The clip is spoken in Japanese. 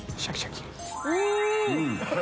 うん！